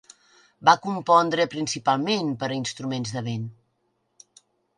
Va compondre principalment per a instruments de vent.